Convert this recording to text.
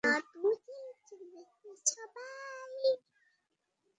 তিনি হামলার শিকার হন।